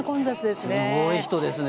すごい人ですね。